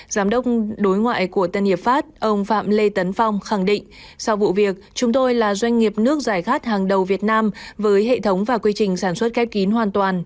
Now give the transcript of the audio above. giám đốc đối ngoại của tân hiệp pháp ông phạm lê tấn phong khẳng định sau vụ việc chúng tôi là doanh nghiệp nước giải khát hàng đầu việt nam với hệ thống và quy trình sản xuất khép kín hoàn toàn